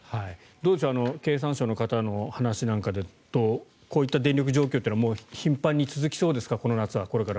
どうでしょう経産省の方の話とかだとこういった電力状況というのはこれから頻繁に続きそうですか？